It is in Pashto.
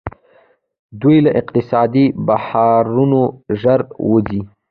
دوی له اقتصادي بحرانونو ژر وځي.